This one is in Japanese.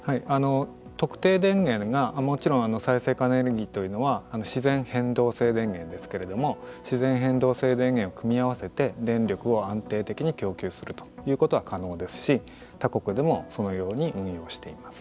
特定電源がもちろん再生可能エネルギーというのは自然変動性電源ですけれども自然変動性電源を組み合わせて電力を安定的に供給するということは可能ですし他国でもそのように運用しています。